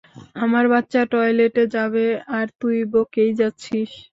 আমার বাচ্চা টয়লেটে যাবে আর তুই বকেই যাচ্ছিস!